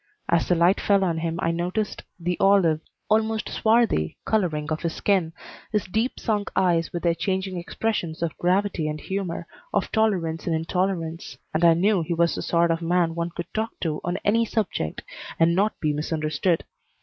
As the light fell on him I noticed the olive, almost swarthy, coloring of his skin, his deep sunk eyes with their changing expressions of gravity and humor, of tolerance and intolerance, and I knew he was the sort of man one could talk to on any subject and not be misunderstood.